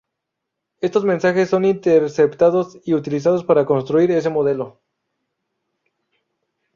Estos mensajes son interceptados y utilizados para construir ese modelo.